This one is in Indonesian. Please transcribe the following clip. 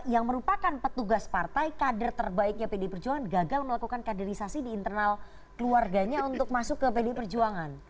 yang merupakan petugas partai kader terbaiknya pd perjuangan gagal melakukan kaderisasi di internal keluarganya untuk masuk ke pdi perjuangan